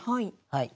はい。